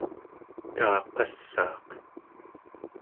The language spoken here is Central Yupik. taaqassaaq